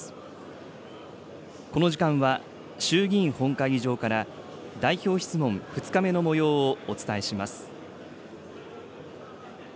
この時間は、衆議院本会議場から代表質問２日目のもようをお伝えします。